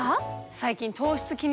最近。